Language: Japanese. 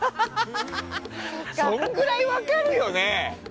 そのぐらい分かるよね？